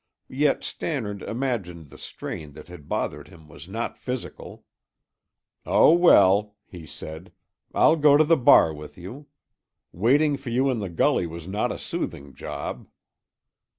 Yet Stannard imagined the strain that had bothered him was not physical. "Oh, well," he said, "I'll go to the bar with you. Waiting for you in the gully was not a soothing job."